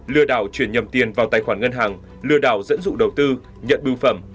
lừa đảo chuyển nhầm tiền vào tài khoản ngân hàng lừa đảo dẫn dụ đầu tư nhận bưu phẩm